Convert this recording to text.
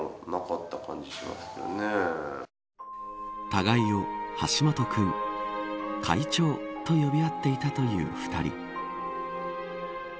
互いを、橋本君会長、と呼び合っていたという２人。